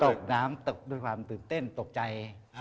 ตกน้ำตกด้วยความตื่นเต้นตกใจ